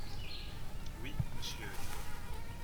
—Oui, monsieur.